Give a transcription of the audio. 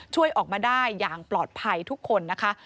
ช่วยออกมาได้อย่างปลอดภัยทุกคนนะคะ